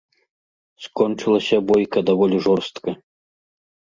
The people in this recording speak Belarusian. Скончылася бойка даволі жорстка.